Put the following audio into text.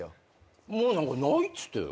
もう何かないっつって。